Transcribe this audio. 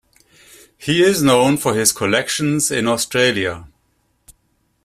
He is known for his collections in Australia.